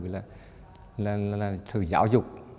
là sự giáo dục